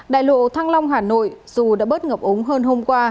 đại lộ thăng long hà nội dù đã bớt ngập ống hơn hôm qua